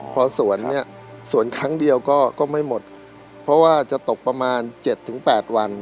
พอสวนเนี้ยสวนครั้งเดียวก็ก็ไม่หมดเพราะว่าจะตกประมาณเจ็ดถึงแปดวัน